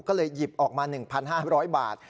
ก็เลยหยิบออกมา๑๕๐๐บาท